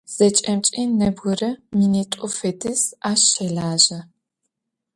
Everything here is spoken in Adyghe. Зэкӏэмкӏи нэбгырэ минитӏу фэдиз ащ щэлажьэ.